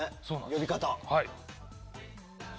呼び方。